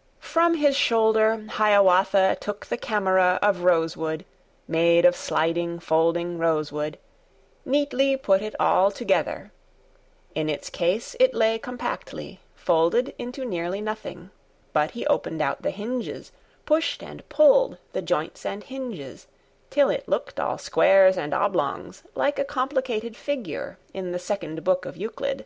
] FROM his shoulder Hiawatha Took the camera of rosewood, Made of sliding, folding rosewood; Neatly put it all together. In its case it lay compactly, Folded into nearly nothing; But he opened out the hinges, Pushed and pulled the joints and hinges, Till it looked all squares and oblongs, Like a complicated figure In the Second Book of Euclid.